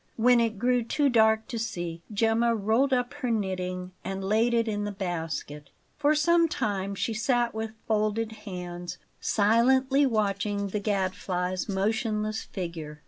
When it grew too dark to see, Gemma rolled up her knitting and laid it in the basket. For some time she sat with folded hands, silently watching the Gadfly's motionless figure.